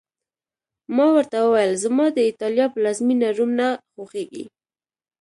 ما ورته وویل: زما د ایټالیا پلازمېنه، روم نه خوښېږي.